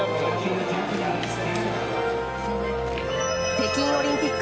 北京オリンピック